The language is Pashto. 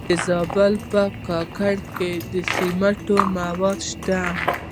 د زابل په کاکړ کې د سمنټو مواد شته.